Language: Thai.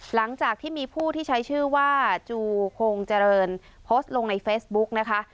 หลังจากที่มีผู้ที่ใช้ชื่อว่าจูคงเจริญโพสต์ลงในเฟซบุ๊กนะคะ